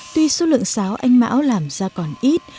tuy số lượng sáo anh mão làm ra còn ít